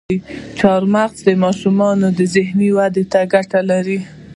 چارمغز د ماشومانو ذهني ودې ته ګټه لري.